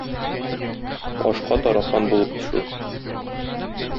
Ашка таракан булып төшү.